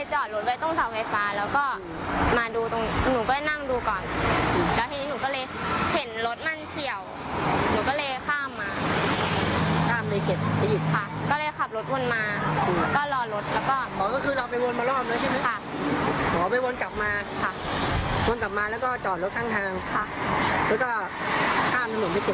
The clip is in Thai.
หมอไปวนกลับมาค่ะวนกลับมาแล้วก็จอดรถข้างทางค่ะ